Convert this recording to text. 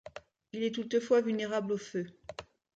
Il est toutefois vulnérable au feu.